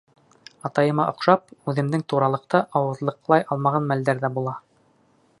Атайыма оҡшап, үҙемдең туралыҡты ауыҙлыҡлай алмаған мәлдәр ҙә була.